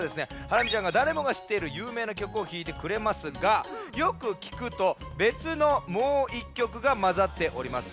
ハラミちゃんがだれもがしっているゆうめいな曲をひいてくれますがよくきくとべつのもう１曲がまざっております。